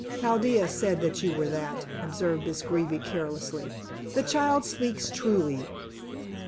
"Chaldea said that you were that," observed Miss Greeby carelessly. "The child speaks truly.